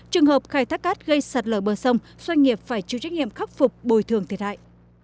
trường hợp khai thác cát gây sạt lở bờ sông doanh nghiệp phải chịu trách nhiệm khắc phục bồi thường thiệt hại